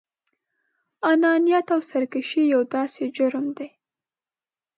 انانيت او سرکشي يو داسې جرم دی.